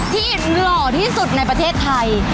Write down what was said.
หล่อที่สุดในประเทศไทย